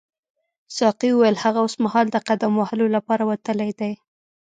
ساقي وویل هغه اوسمهال د قدم وهلو لپاره وتلی دی.